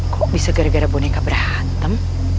kok bisa gara gara boneka berantem